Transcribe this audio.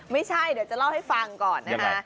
ไม่ใช่เดี๋ยวจะเล่าให้ฟังก่อนนะคะ